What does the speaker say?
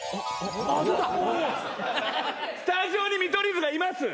スタジオに見取り図がいます。